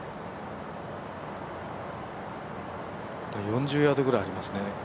４０ヤードぐらいありますね。